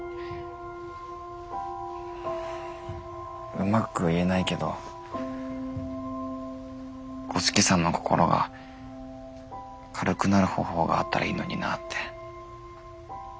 うまく言えないけど五色さんの心が軽くなる方法があったらいいのになって。